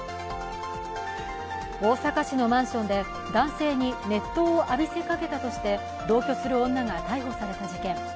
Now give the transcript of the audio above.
大阪市のマンションで男性に熱湯を浴びせかけたとして同居する女が逮捕された事件。